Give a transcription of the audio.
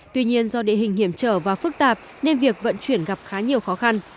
tuy nhiên do địa hình hiểm trở và phức tạp nên việc vận chuyển gặp khá nhiều khó khăn